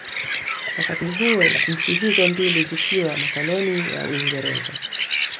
Wakati huo nchi hizo mbili zikiwa makoloni ya Uingereza